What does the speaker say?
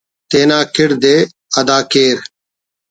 تینا کڑدءِ ادا کیر